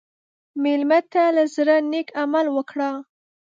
مېلمه ته له زړه نیک عمل وکړه.